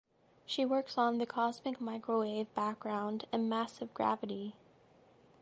She works on the cosmic microwave background and massive gravity.